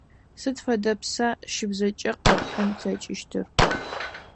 Сыд фэдэ пса щыбзэкӀэ къэпхьын плъэкӀыщтыр?